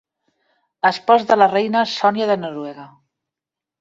Espòs de la reina Sònia de Noruega.